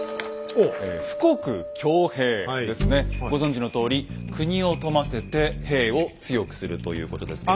ご存じのとおり国を富ませて兵を強くするということですけれども。